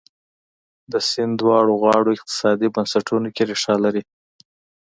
د سیند دواړو غاړو اقتصادي بنسټونو کې ریښه لري.